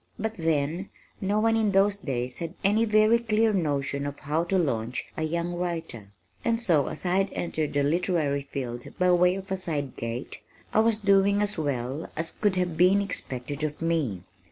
But then, no one in those days had any very clear notion of how to launch a young writer, and so (as I had entered the literary field by way of a side gate) I was doing as well as could have been expected of me.